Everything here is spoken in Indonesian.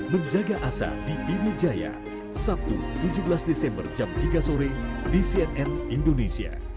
menjaga asa di pidijaya sabtu tujuh belas desember jam tiga sore di cnn indonesia